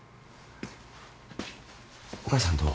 お母さんどう？